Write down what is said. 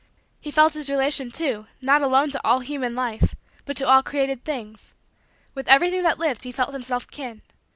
He felt his relation, too, not alone to all human life but to all created things. With everything that lived he felt himself kin.